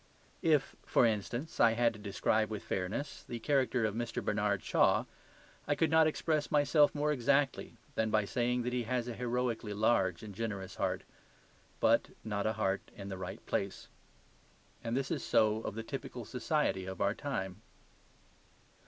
If, for instance, I had to describe with fairness the character of Mr. Bernard Shaw, I could not express myself more exactly than by saying that he has a heroically large and generous heart; but not a heart in the right place. And this is so of the typical society of our time.